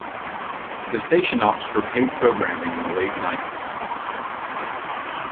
The station opts for paid programming in the late nights.